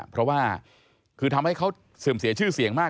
เพราะว่าคือทำให้เขาเสื่อมเสียชื่อเสียงมาก